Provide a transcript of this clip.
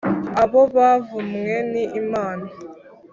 abo bavumwe n Imana